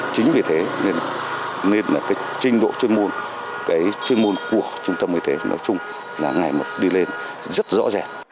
chính vì thế nên là cái trình độ chuyên môn cái chuyên môn của trung tâm y tế nói chung là ngày một đi lên rất rõ rệt